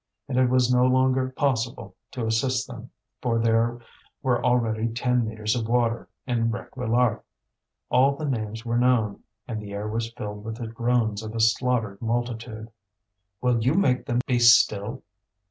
And it was no longer possible to assist them, for there were already ten metres of water in Réquillart. All the names were known, and the air was filled with the groans of a slaughtered multitude. "Will you make them be still?"